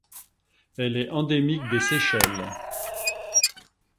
Elle est endémique des Seychelles.